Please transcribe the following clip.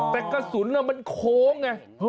แต่กระสุนมันโค้งไง